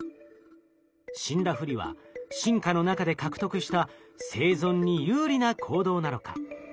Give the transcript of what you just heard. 死んだふりは進化の中で獲得した生存に有利な行動なのか？